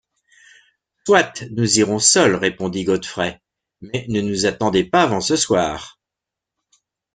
Soit, nous irons seuls, répondit Godfrey, mais ne nous attendez pas avant ce soir!